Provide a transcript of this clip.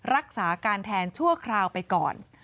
รักษาการแทนชั่วคราวไปก่อน